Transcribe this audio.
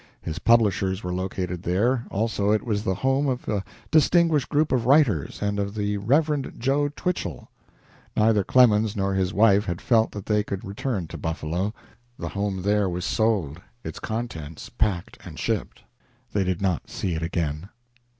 His publishers were located there, also it was the home of a distinguished group of writers, and of the Rev. "Joe" Twichell. Neither Clemens nor his wife had felt that they could return to Buffalo. The home there was sold its contents packed and shipped. They did not see it again.